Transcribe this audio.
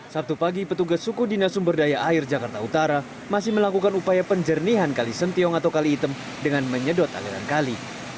sabtu pagi petugas suku dinas sumberdaya air jakarta utara masih melakukan upaya penjernihan kali sentiong atau kali item dengan menyedot aliran kali